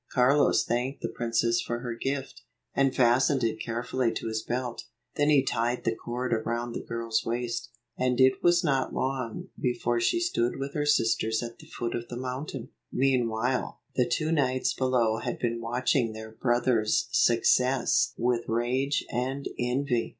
Carlos thanked the princess for her gift, and fastened it carefully to his belt. Then he tied the cord around the girl's waist, and it was not long before she stood with her sisters at the foot of the mountain. Meanwhile, the two knights below had been watching their brother's success with rage and envy.